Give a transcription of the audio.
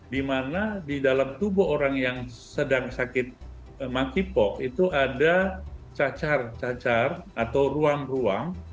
dimana di dalam tubuh orang yang sedang sakit monkeypox itu ada cacar cacar atau ruang ruang